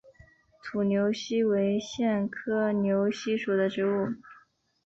土牛膝为苋科牛膝属的植物。